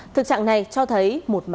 thực trạng này cho thấy một mặt trái khác